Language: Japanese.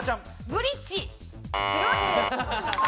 ブリッジ？